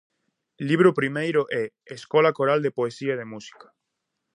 Libro Primeiro e "Escola coral de poesía e de música".